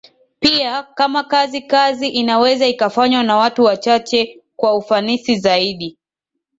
pia kama kazi kazi inaweza ikafanywa na watu wachache kwa ufanisi zaidi